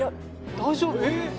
大丈夫？